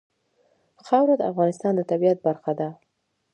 خاوره د افغانستان د طبیعت برخه ده.